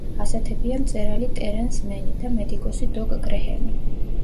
ასეთებია მწერალი ტერენს მენი და მედიკოსი დოკ გრეჰემი.